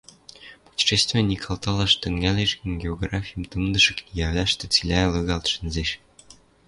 — Путешественник алталаш тӹнгӓлеш гӹнь, географим тымдымы книгвлӓштӹ цилӓ лыгалт шӹнзеш.